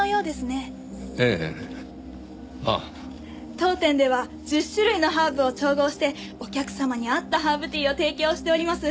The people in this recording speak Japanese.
当店では１０種類のハーブを調合してお客様に合ったハーブティーを提供しております。